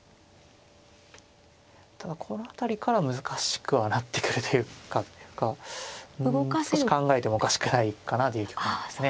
ただこの辺りから難しくはなってくるというか少し考えてもおかしくないかなという局面ですね。